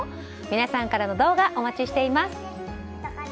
皆さんからの動画お待ちしています。